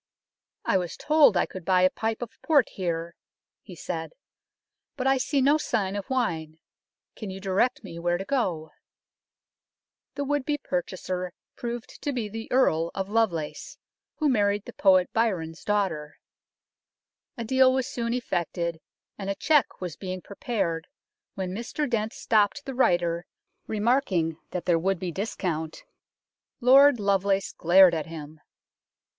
" I was told I could buy a pipe of port here," he said ;" but I see no sign of wine ; can you direct me where to go ?" The would be purchaser proved to be the Earl of Lovelace, who married the poet Byron's daughter. A deal was soon effected, and a cheque was being prepared when Mr Dent stopped the writer, remarking that there would be discount. Lord Lovelace glared at him.